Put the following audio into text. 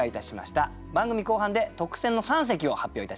番組後半で特選の三席を発表いたします。